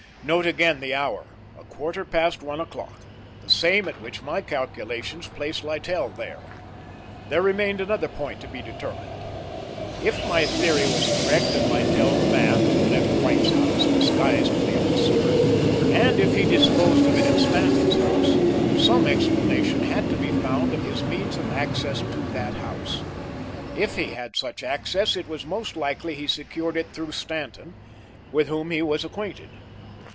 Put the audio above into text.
Note again the hour, a quarter past one o'clock; the same at which my calculations place Littell there. There remained another point to be determined. "If my theory was correct and Littell the man who left White's house, disguised in the ulster, and if he disposed of it at Stanton's house, some explanation had to be found of his means of access to the house. If he had such access it was most likely he secured it through Stanton, with whom he was acquainted.